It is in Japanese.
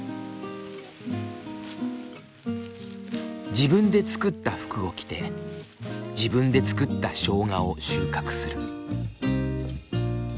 自分で作った服を着て自分で作ったしょうがを収穫する。